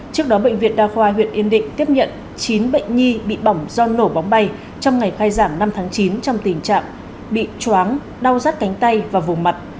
trước đó bệnh viện đa khoa huyện yên định tiếp nhận chín bệnh nhi bị bỏng do nổ bóng bay trong ngày khai giảng năm tháng chín trong tình trạng bị chóng đau rắt cánh tay và vùng mặt